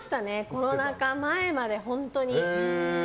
コロナ禍前まで、本当に。